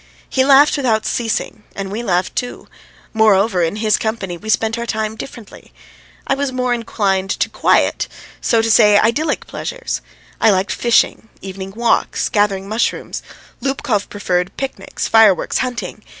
He laughed without ceasing and we laughed too. Moreover, in his company we spent our time differently. I was more inclined to quiet, so to say idyllic pleasures; I liked fishing, evening walks, gathering mushrooms; Lubkov preferred picnics, fireworks, hunting.